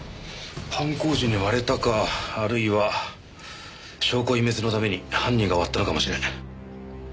犯行時に割れたかあるいは証拠隠滅のために犯人が割ったのかもしれん。